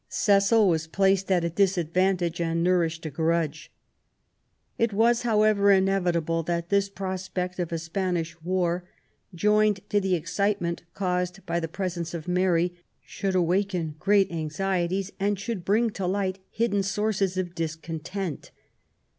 Cecil was placed at a disadvantage and nourished a grudge. It was, however, inevitable that this prospect of a Spanish war, joined to the excitement caused by the presence of Mary, should awaken great anxieties and should bring to light hidden sources of discontent.